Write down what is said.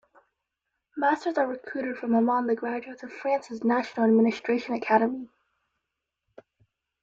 Masters are recruited from among the graduates of France's National Administration Academy.